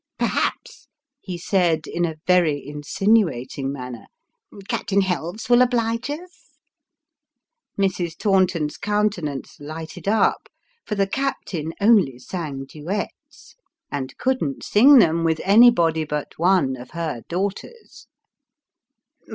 " Perhaps," he said in a very insinuating manner, " Captain Helves will oblige us?" Mrs. Taunton's countenance lighted up, for the captain only sang duets, and couldn't sing them with anybody but one of her daughters.